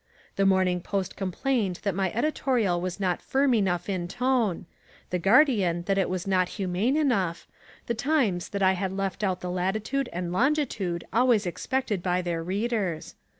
The Morning Post complained that my editorial was not firm enough in tone, the Guardian that it was not humane enough, the Times that I had left out the latitude and longitude always expected by their readers.